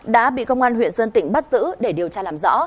đã bị công an huyện sơn tịnh bắt giữ để điều tra làm rõ